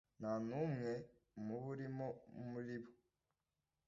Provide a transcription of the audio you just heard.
ntanumwe mube urimo murib